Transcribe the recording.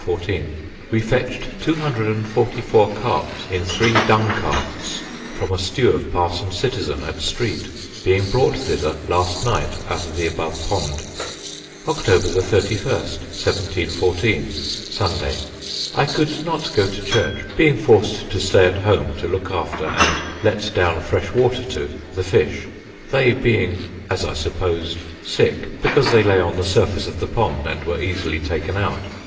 We fetched 244 Carps in three Dung Carts from a stew of Parson Citizen at Street; being brought thither last night out of the above pond. "October 31st, 1714 (Sunday). I could not go to Church, being forced to stay at home to look after, and let down fresh water to, the fish; they being as I supposed sick, because they lay on the surface of the pond and were easily taken out.